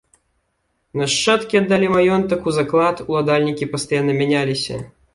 Нашчадкі аддалі маёнтак у заклад, уладальнікі пастаянна мяняліся.